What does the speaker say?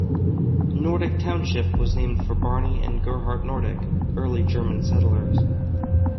Nordick Township was named for Barney and Gerhard Nordick, early German settlers.